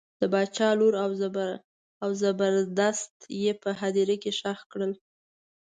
د باچا لور او زبردست یې په هدیره کې ښخ کړل.